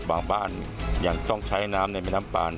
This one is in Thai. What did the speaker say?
บางบ้านยังต้องใช้น้ำในแม่น้ำปาล